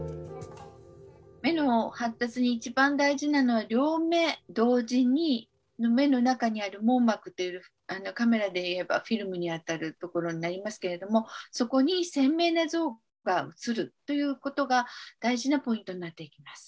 目の発達に一番大事なのは両目同時に目の中にある網膜っていうカメラでいえばフィルムに当たるところになりますけれどもそこに鮮明な像がうつるということが大事なポイントになっていきます。